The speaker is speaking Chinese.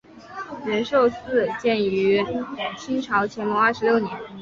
仁寿寺建于清朝乾隆二十六年。